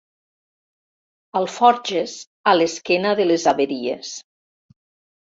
Alforges a l'esquena de les haveries.